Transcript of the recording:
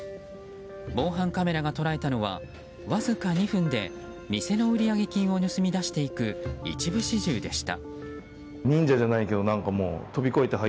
防犯カメラが捉えたのはわずか２分で店の売上金を盗み出していく一部始終でした。